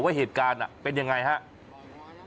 ว่าเหตุการณ์เป็นยังไงครับ